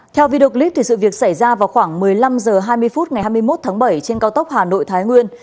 theo video clip sự việc xảy ra vào khoảng một mươi năm h hai mươi phút ngày hai mươi một tháng bảy trên cao tốc hà nội thái nguyên